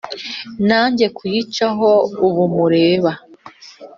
Na njye kuyicaho ubu mureba